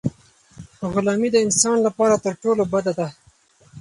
غلامي د انسان لپاره تر ټولو بده ده.